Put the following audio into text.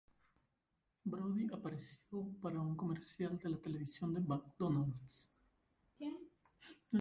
Brody apareció para un comercial de la televisión de "McDonalds".